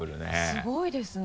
すごいですね。